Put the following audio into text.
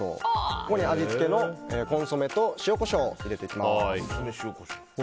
ここで味付けのコンソメと塩、コショウを入れていきます。